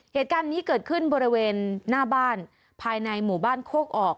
เหตุการณ์นี้เกิดขึ้นบริเวณหน้าบ้านภายในหมู่บ้านโคกออก